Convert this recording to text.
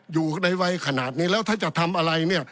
อยู่ในวัยขนาดนี้แล้วถ้าจะทำอะไรเนี่ย